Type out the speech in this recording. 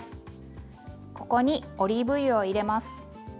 ここにオリーブ油を入れます。